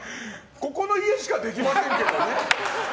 ここの家しかできませんけどね。